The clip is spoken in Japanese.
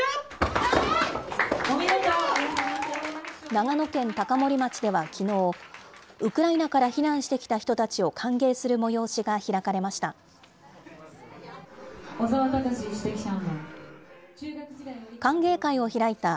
長野県高森町ではきのう、ウクライナから避難してきた人たちを歓迎する催しが開かれました。